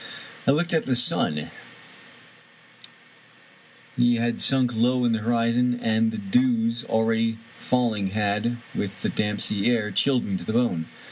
I looked at the sun; He had sunk low in the horizon, and the dews already falling had, with the damp sea air, chilled me to the bone.